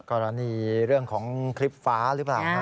กรณีเรื่องของคลิปฟ้าหรือเปล่า